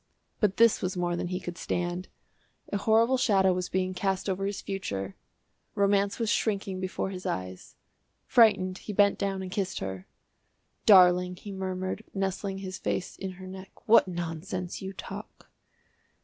But this was more than he could stand. A horrible shadow was being cast over his future, romance was shrinking before his eyes. Frightened, he bent down and kissed her. "Darling," he murmured, nestling his face in her neck, "what nonsense you talk."